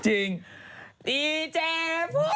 จริงปีเจพุน